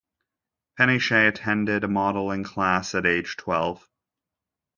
Peniche attended a modeling class at age twelve.